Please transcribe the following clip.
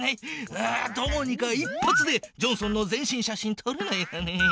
ああどうにか一発でジョンソンの全身写真とれないかな。